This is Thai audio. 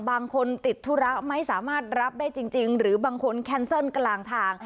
บางคนติดธุระไม่สามารถรับได้จริงหรือบางคนแคนเซิลกลางทาง